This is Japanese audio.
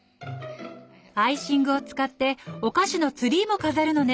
アイシングを使ってお菓子のツリーも飾るのね。